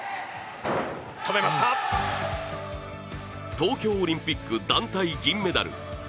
東京オリンピック団体銀メダル。